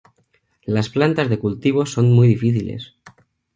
Las plantas de cultivo son muy difíciles.